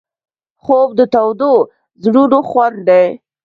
خوب د تودو زړونو خوند دی